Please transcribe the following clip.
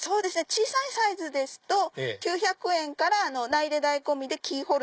小さいサイズですと９００円から名入れ代込みでキーホルダー。